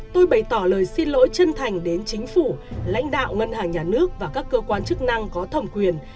tôi bày tỏ lời xin lỗi chân thành đến chính phủ lãnh đạo ngân hàng nhà nước và các cơ quan chức năng có thẩm quyền